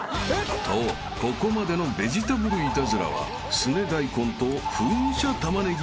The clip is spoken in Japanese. ［とここまでのベジタブルイタズラはスネ大根と噴射タマネギ］